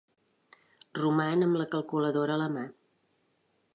Roman amb la calculadora a la mà.